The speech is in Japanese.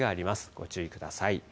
ご注意ください。